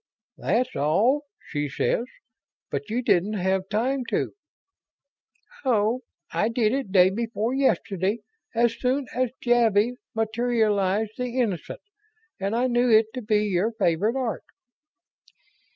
"'That's all,' she says. But you didn't have time to ..." "Oh, I did it day before yesterday. As soon as Javvy materialized the 'Innocent' and I knew it to be your favorite art."